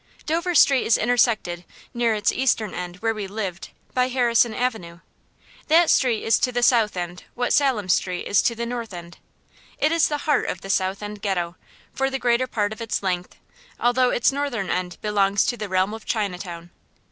Dover Street is intersected, near its eastern end, where we lived, by Harrison Avenue. That street is to the South End what Salem Street is to the North End. It is the heart of the South End ghetto, for the greater part of its length; although its northern end belongs to the realm of Chinatown.